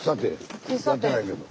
やってないけど。